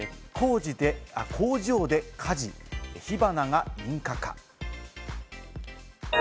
工場で火事、火花が引火か？